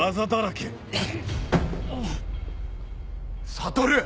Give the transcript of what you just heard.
悟！